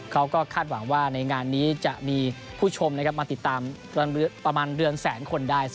เขาก็คาดหวังว่าในงานนี้จะมีผู้ชมมาติดตามประมาณเรือนแสนคนได้